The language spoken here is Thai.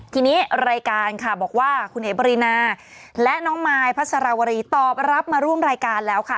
ทีนี้รายการค่ะบอกว่าคุณเอ๋บรินาและน้องมายพัสรวรีตอบรับมาร่วมรายการแล้วค่ะ